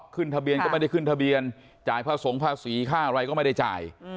ขึ้นทะเบียนก็ไม่ได้ขึ้นทะเบียนจ่ายพระสงภาษีค่าอะไรก็ไม่ได้จ่าย